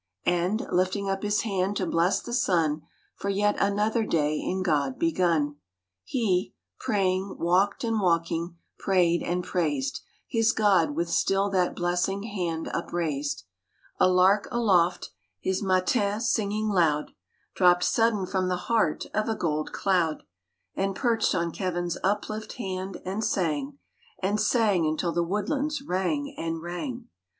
And, lifting up his hand to bless the sun For yet another day in God begun, He, praying, walked, and walking, prayed and praised His God with still that blessing hand upraised. A lark aloft, his matins singing loud, Dropped sudden from the heart of a gold cloud, And perched on Kevin's uplift hand and sang, And sang until the woodlands rang and rang.